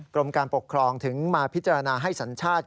กรมการปกครองถึงมาพิจารณาให้สัญชาติ